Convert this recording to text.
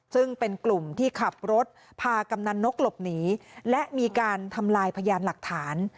ซึ่งเป็นกลุ่มที่ขับรถพากำนันนกหลบหนีและมีการทำลายพยานหลักฐาน